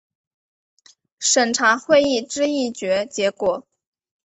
审查会议之议决结果